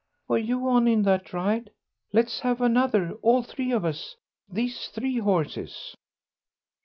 "Were you on in that ride? Let's have another, all three of us. These three horses."